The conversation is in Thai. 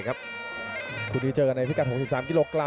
คู่นี้เจอในพิกัด๖๓กิโลกรั